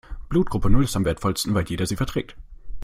Blutgruppe Null ist am wertvollsten, weil jeder sie verträgt.